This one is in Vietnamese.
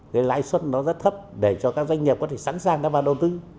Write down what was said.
đề xuất nó rất thấp để cho các doanh nghiệp có thể sẵn sàng vào đầu tư